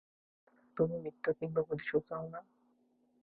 তুমি মৃত্যু কিংবা প্রতিশোধ চাও না।